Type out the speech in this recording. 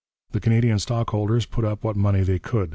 The Canadian stockholders put up what money they could.